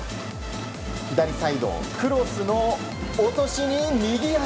左サイドクロスの落としに右足！